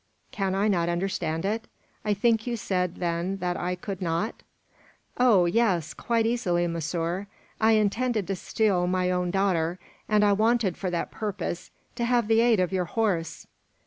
"Can I not understand it? I think you said then that I could not?" "Oh, yes! Quite easily, monsieur. I intended to steal my own daughter, and I wanted, for that purpose, to have the aid of your horse."